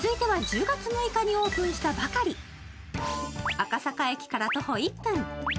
赤坂駅から徒歩１分。